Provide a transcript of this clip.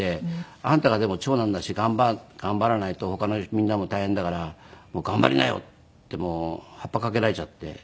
「あんたがでも長男だし頑張らないと他のみんなも大変だから頑張りなよ！」ってもうハッパかけられちゃって。